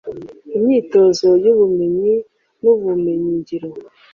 Imyitozo y'ubumenyi n'ubumenyi ngiro